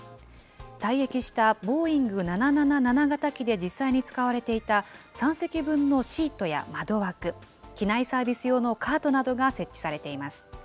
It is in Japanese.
退役したボーイング７７７型機で実際に使われていた３席分のシートや窓枠、機内サービス用のカートなどが設置されています。